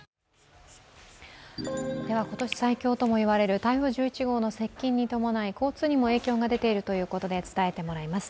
今年最強ともいわれる台風１１号の接近に伴い交通にも影響が出ているということで伝えてもらいます。